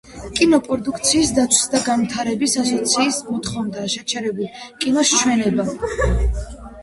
კინოპროდუქციის დაცვის და განვითარების ასოციაციის მოთხოვნით შეჩერებულია კინოს ჩვენება.